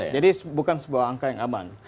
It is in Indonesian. jadi bukan sebuah angka yang aman